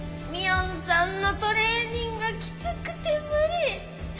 美音さんのトレーニングきつくて無理！